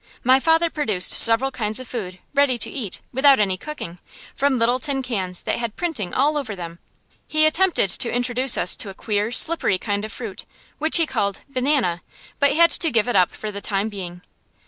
My father produced several kinds of food, ready to eat, without any cooking, from little tin cans that had printing all over them. He attempted to introduce us to a queer, slippery kind of fruit, which he called "banana," but had to give it up for the time being.